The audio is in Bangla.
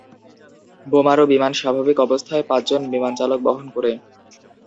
বোমারু বিমান স্বাভাবিক অবস্থায় পাঁচ জন বিমান চালক বহন করে।